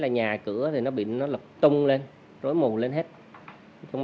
nhà cửa thì nó bị nó lập tung lên rối mù lên hết